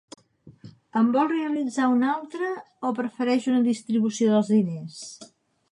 En vol realitzar una altra o prefereix una distribució dels diners?